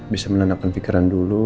bisa menenangkan pikiran dulu